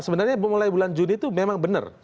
sebenarnya mulai bulan juni itu memang benar